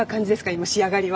今仕上がりは。